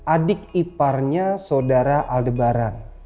adik iparnya saudara aldebaran